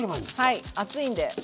はい暑いんで。